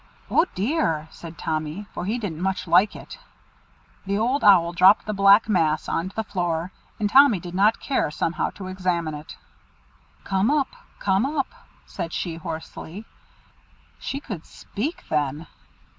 "Oh dear!" said Tommy, for he didn't much like it. The Old Owl dropped the black mass on to the floor; and Tommy did not care somehow to examine it. "Come up! come up!" said she hoarsely. She could speak, then!